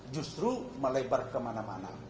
justru melebar kemana mana